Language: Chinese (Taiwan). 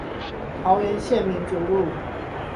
桃園縣民族路